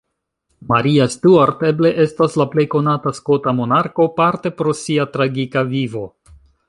Maria Stuart eble estas la plej konata skota monarko, parte pro sia tragika vivo.